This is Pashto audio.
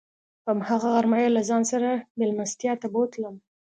په هماغه غرمه یې له ځان سره میلمستیا ته بوتلم.